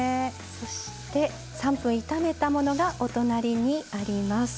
そして３分炒めたものがお隣にあります。